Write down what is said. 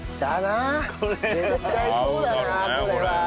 絶対そうだなこれは。